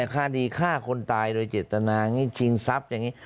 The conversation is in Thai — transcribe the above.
คดีฆ่าคนตายโดยเจตนาอย่างนี้ชิงทรัพย์อย่างนี้